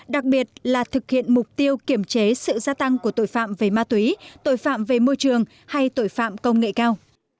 đặc biệt là thực hiện mục tiêu kiểm chế sự gia tăng của tội phạm về ma túy tội phạm về môi trường hay tội phạm công nghệ cao